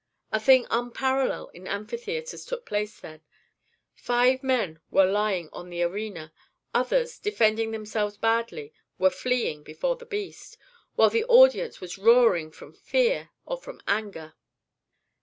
A thing unparalleled in amphitheatres took place then: five men were lying on the arena; others, defending themselves badly, were fleeing before the beast, while the audience was roaring from fear or from anger.